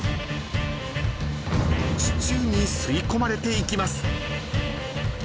［地中に吸い込まれていきます］